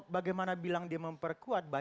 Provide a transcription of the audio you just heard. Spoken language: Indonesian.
bagaimana bilang dia memperkuat